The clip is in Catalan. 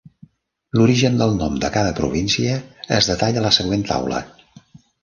L'origen del nom de cada província es detalla a la següent taula.